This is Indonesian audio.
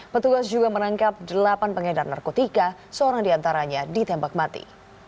petugas juga menangkap delapan pengedar narkotika seorang diantaranya ditembak mati